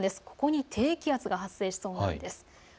ここに低気圧が発生しそうです。